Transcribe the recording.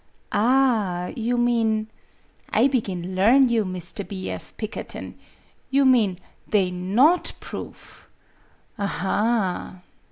"Ah, you mean I begin learn you, Mr. B. F. Pikkerton ! You mean they not proof. Aha!"